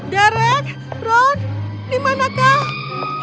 derek ron dimanakah